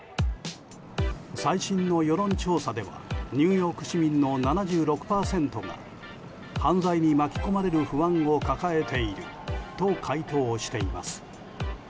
最新の世論調査ではニューヨーク市民の７６％が犯罪に巻き込まれる不安を抱えていると回答しています。